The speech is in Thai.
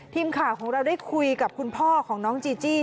ทีมข่าวของเราได้คุยกับคุณพ่อของน้องจีจี้